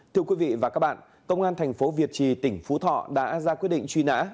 thưa quý vị và các bạn công an thành phố việt trì tỉnh phú thọ đã ra quyết định truy nã